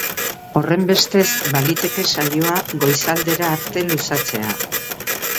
Horrenbestez, baliteke saioa goizaldera arte luzatzea.